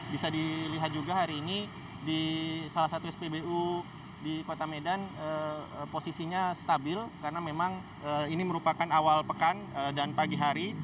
bisa dilihat juga hari ini di salah satu spbu di kota medan posisinya stabil karena memang ini merupakan awal pekan dan pagi hari